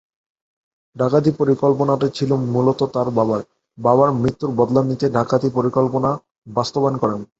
ডাকাতি পরিকল্পনাটি ছিলো মূলত তার বাবার, বাবার মৃত্যুর বদলা নিতে ডাকাতি পরিকল্পনা বাস্তবায়ন করেন।